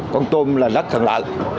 con tôm là đất thần lạ